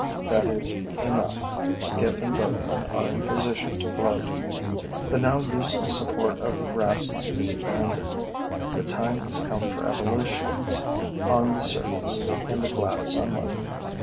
That is enough: skiff and boatman are in a position to float. The now useless support of the grasses is abandoned. The time has come for evolutions on the surface, in the glad sunlight.